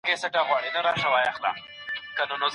مينه د زړونو اړيکه ده.